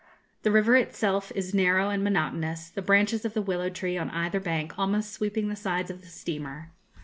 The river itself is narrow and monotonous, the branches of the willow tree on either bank almost sweeping the sides of the steamer.